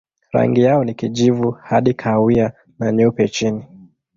Rangi yao ni kijivu hadi kahawia na nyeupe chini.